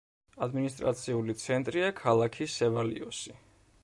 ადმინისტრაციული ცენტრია ქალაქი სევალიოსი.